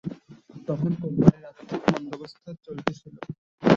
তখন কোম্পানির আর্থিক মন্দাবস্থায় চলছিল।